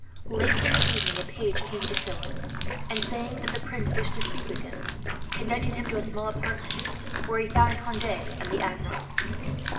Late in the evening a page came to Philip and, saying that the prince wished to speak with him, conducted him to a small apartment, where he found Conde and the Admiral.